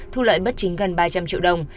thu lợi bất chính gần ba trăm linh triệu đồng